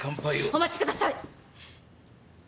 お待ちください！